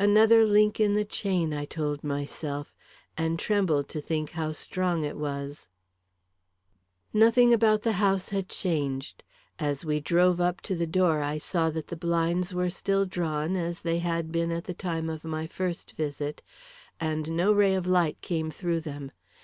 Another link in the chain, I told myself; and trembled to think how strong it was. Nothing about the house had changed. As we drove up to the door, I saw that the blinds were still drawn, as they had been at the time of my first visit, and no ray of light came through them.